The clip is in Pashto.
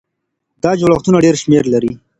دا جوړښتونه ډېر شمېر لري.